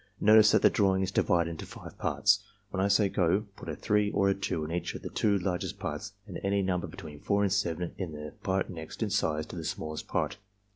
Notice that the drawing is divided into five parts. When I say 'go' put a 3 or a 2 in each 56 ARMY MENTAL TESTS of the two largest parts and any number between 4 and 7 in the part next in size to the smallest part.